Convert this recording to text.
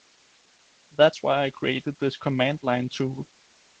That's why I created this command-line tool